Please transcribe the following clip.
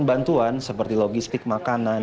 bantuan seperti logistik makanan